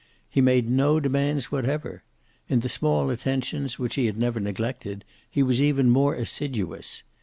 He made no demands whatever. In the small attentions, which he had never neglected, he was even more assiduous.